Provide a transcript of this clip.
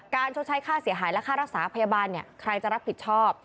ชดใช้ค่าเสียหายและค่ารักษาพยาบาลใครจะรับผิดชอบ